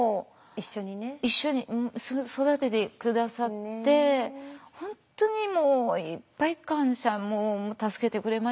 一緒にね育てて下さって本当にもういっぱい感謝助けてくれました。